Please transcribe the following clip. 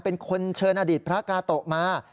เป็นคนเชิญอดีตพระกาโตะมา